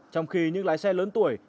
trong khi những lái xe lớn tuổi